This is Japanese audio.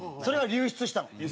流出した。